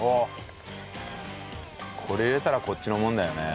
これ入れたらこっちのもんだよね。